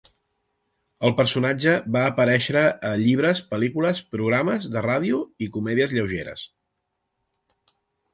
El personatge va aparèixer a llibres, pel·lícules, programes de ràdio i comèdies lleugeres.